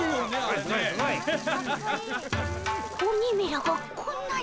鬼めらがこんなに。